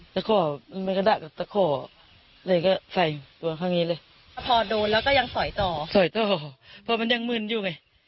ส่อยต่อเพราะมันยังมืนอยู่ไง